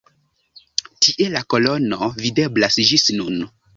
Tie la kolono videblas ĝis nun.